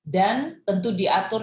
dan tentu diatur